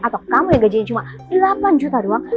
atau kamu yang gajinya cuma delapan juta doang